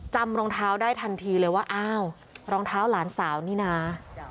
รองเท้าได้ทันทีเลยว่าอ้าวรองเท้าหลานสาวนี่นะ